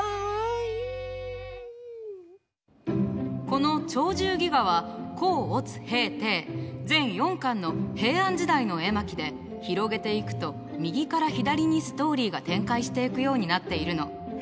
この「鳥獣戯画」は甲乙丙丁全４巻の平安時代の絵巻で広げていくと右から左にストーリーが展開していくようになっているの。